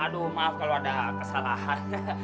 aduh maaf kalau ada kesalahan